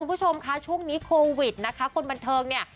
คุณผู้ชมคะช่วงนี้โควิดนะคะคนบันเทิงเนี่ย